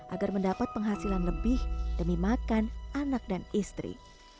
agar mendapat penghasilan lebih demi makan anak dan istri